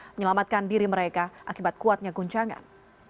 menyelamatkan diri mereka akibat kuatnya guncangan